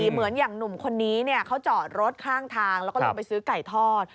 เหมือนอย่างหนุ่มคนนี้เขาจอดรถข้างทางแล้วก็ลงไปซื้อไก่ทอด